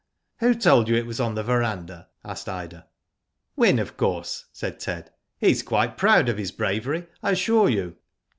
Who told you it was on the verandah ?" asked Ida. " Wyn, of course," said Ted. '* He's quite proud of his bravery, I assure you."